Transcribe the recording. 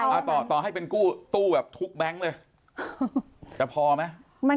เอาต่อต่อให้เป็นกู้ตู้แบบทุกแบงค์เลยจะพอไหม